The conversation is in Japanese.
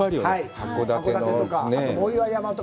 函館とか。